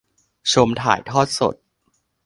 ชมถ่ายทอดสด